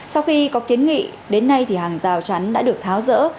sau khi có kiến nghị đến nay thì hàng rào chắn đã được tháo rỡ